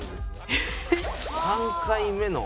３回目の？